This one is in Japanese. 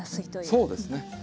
そうですね。